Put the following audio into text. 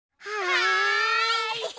はい！